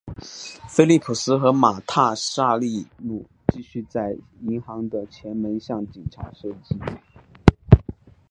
菲利普斯和马塔萨利努继续在银行的前门向警察射击。